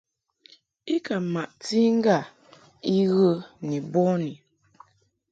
I ka maʼti i ŋgâ I ghə ni bɔni.